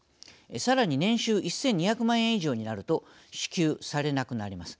さらに年収１２００万円以上になると支給されなくなります。